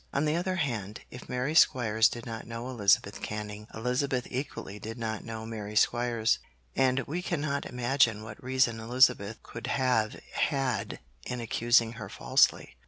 On the other hand, if Mary Squires did not know Elizabeth Canning, Elizabeth equally did not know Mary Squires, and we cannot imagine what reason Elizabeth could have had in accusing her falsely.